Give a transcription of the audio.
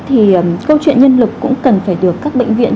thì câu chuyện nhân lực cũng cần phải được các bệnh viện